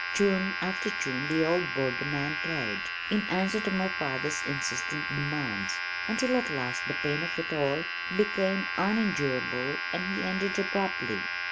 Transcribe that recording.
Tune after tune the old Borderman played, in answer to my father's insistent demands, until at last the pain of it all became unendurable and he ended abruptly.